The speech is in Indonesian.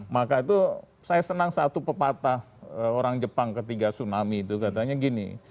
maka itu saya senang satu pepatah orang jepang ketiga tsunami itu katanya gini